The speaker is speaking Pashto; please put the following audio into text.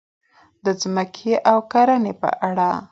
د ځمکې او کرنې په اړه: